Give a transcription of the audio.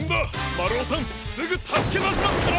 まるおさんすぐたすけだしますから！